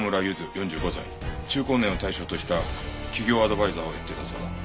中高年を対象とした起業アドバイザーをやっていたそうだ。